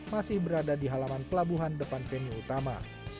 masih berada di halaman pelabuhan depan venue utama